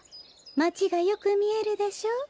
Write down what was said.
まちがよくみえるでしょ。